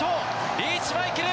リーチ・マイケル！